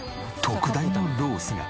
特大のロースが。